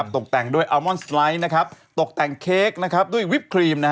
ตกแต่งด้วยอัลมอนสไลด์ตกแต่งเค้กด้วยวิปครีม